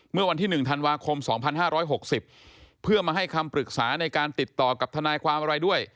เมื่อวันที่๑ธันวาคม๒๕๖๐เพื่อมาให้คำปรึกษาในการติดต่อกับทนายความอะไรด้วย